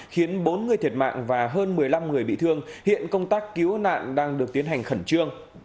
khiến bốn người thiệt mạng và hơn một mươi năm người bị thương hiện công tác cứu nạn đang được tiến hành khẩn trương